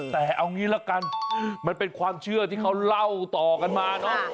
แต่เอางี้ละกันมันเป็นความเชื่อที่เขาเล่าต่อกันมาเนอะ